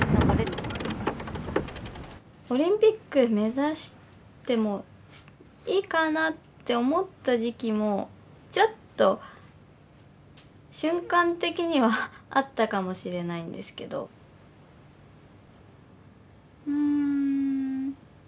オリンピック目指してもいいかなって思った時期もチラッと瞬間的にはあったかもしれないんですけどうん。